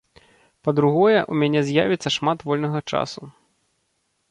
Па-другое, у мяне з'явіцца шмат вольнага часу.